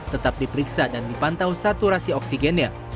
tetap diperiksa dan dipantau saturasi oksigennya